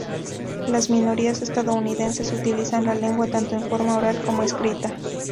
Las minorías estadounidenses utilizan la lengua tanto en forma oral como escrita.